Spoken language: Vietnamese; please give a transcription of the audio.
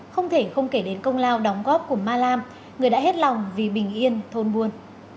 không thể không kể đến công lao đóng góp của ma lam người đã hết lòng vì bình yên thôn buồn